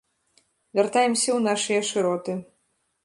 Вяртаемся ў нашыя шыроты.